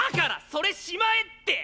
それしまえって！